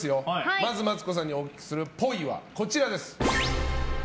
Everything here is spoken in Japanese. まずマツコさんにお聞きするっぽいはこちらです。